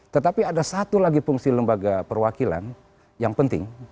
tetapi ada satu lagi fungsi lembaga perwakilan yang penting